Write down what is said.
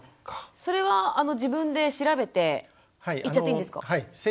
それは自分で調べて行っちゃっていいんですか？